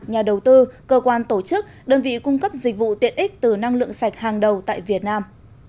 nhà đầu tư cơ quan tổ chức đơn vị cung cấp dịch vụ tiện ích từ năng lượng sạch hàng đầu tại việt nam